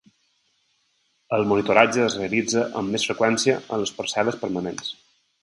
El monitoratge es realitza amb més freqüència en les parcel·les permanents.